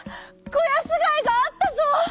こやすがいがあったぞ！」。